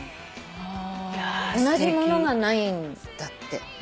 同じ物がないんだって。